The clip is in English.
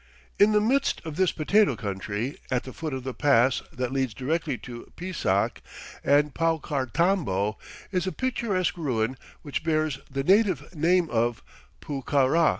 In the midst of this potato country, at the foot of the pass that leads directly to Pisac and Paucartambo, is a picturesque ruin which bears the native name of Pucará.